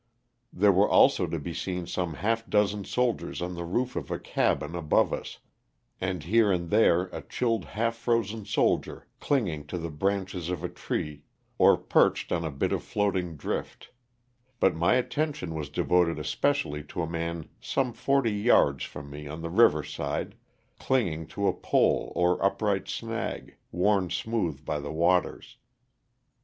There were also to be seen some half dozen soldiers on the roof of a cabin above us, and here and there a chilled half frozen soldier clinging to the branches of a tree or perched on a bit of floating drift; but my attention was devoted especially to a man some forty yards from me on the river side, clinging to a pole or upright snag, worn smooth by the waters.